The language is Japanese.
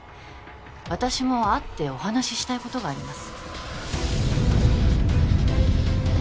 私も会ってお話ししたいことがあります